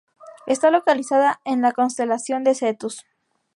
Está localizada en la constelación de Cetus.